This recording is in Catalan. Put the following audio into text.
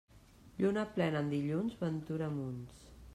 Lluna plena en dilluns, ventura a munts.